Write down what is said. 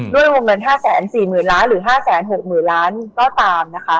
ด้วยวงเงิน๕๔๐๐๐ล้านหรือ๕๖๐๐๐ล้านก็ตามนะคะ